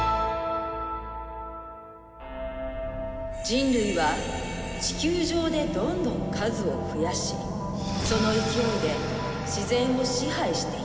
人類は地球上でどんどん数を増やしその勢いで自然を支配していった。